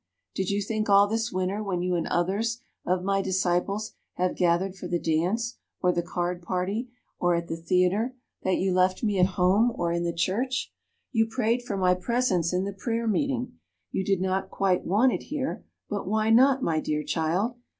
Did you think all this winter, when you and others of my disciples have gathered for the dance, or the card party, or at the theater, that you left me at home or in the church? You prayed for my presence in the prayer meeting; you did not quite want it here; but why not, my dear child?